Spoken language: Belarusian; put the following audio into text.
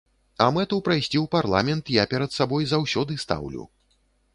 А мэту прайсці ў парламент я перад сабой заўсёды стаўлю.